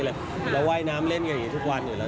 เราว่ายน้ำเล่นกันอย่างนี้ทุกวันอยู่แล้ว